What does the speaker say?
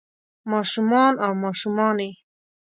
ما شومان او ماشومانے